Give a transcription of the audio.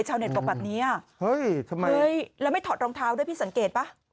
ชาวเน็ตบอกแบบนี้แล้วไม่ถอดรองเท้าได้พี่สังเกตป่ะ